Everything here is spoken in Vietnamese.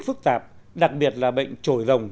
phức tạp đặc biệt là bệnh trồi rồng